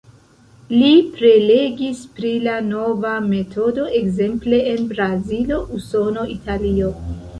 Li prelegis pri la nova metodo ekzemple en Brazilo, Usono, Italio.